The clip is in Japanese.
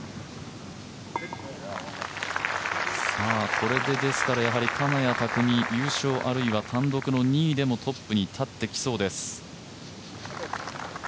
これで金谷拓実、優勝あるいは単独の２位でもトップに立ってきそうです。